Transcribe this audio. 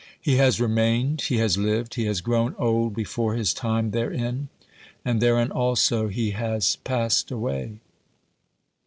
He has remained, he has lived, he has grown old before his time therein, and therein also he has passed away.